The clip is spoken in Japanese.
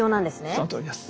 そのとおりです。